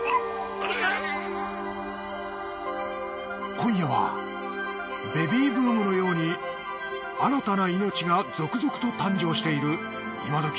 今夜はベビーブームのように新たな命が続々と誕生している今どき